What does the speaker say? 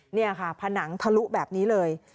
นี่ค่ะผนังทะลุแบบนี้เลย